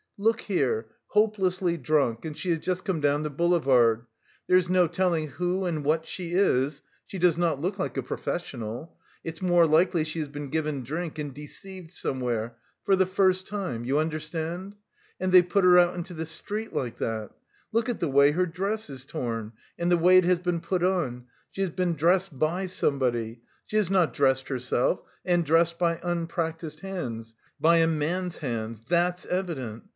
"Look here, hopelessly drunk, and she has just come down the boulevard. There is no telling who and what she is, she does not look like a professional. It's more likely she has been given drink and deceived somewhere... for the first time... you understand? and they've put her out into the street like that. Look at the way her dress is torn, and the way it has been put on: she has been dressed by somebody, she has not dressed herself, and dressed by unpractised hands, by a man's hands; that's evident.